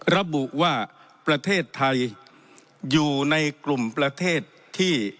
ระบุว่าประเทศไทยอยู่ในกลุ่มประเทศที่